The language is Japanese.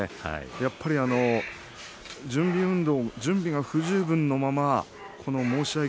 やっぱり準備が不十分のまま申し合い